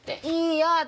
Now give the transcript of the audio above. いいよ